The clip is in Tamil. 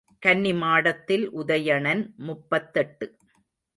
கன்னி மாடத்தில் உதயணன் முப்பத்தெட்டு.